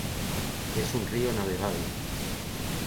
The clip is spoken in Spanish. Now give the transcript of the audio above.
Es un río navegable.